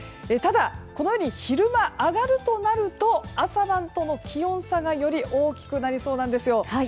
ただ、このように昼間上がるとなると朝晩と気温差がより大きくなりそうなんですよ。